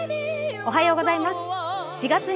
おはようございます。